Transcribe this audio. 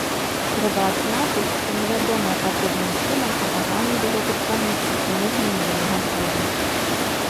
Трэба адзначыць, што невядомыя падобным чынам апаганілі гэты помнік ў снежні мінулага года.